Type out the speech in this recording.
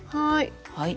はい。